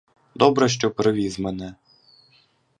Добре, що привіз мене.